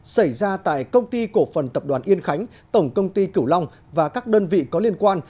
xảy ra tại công ty cổ phần tập đoàn yên khánh tổng công ty cửu long và các đơn vị có liên quan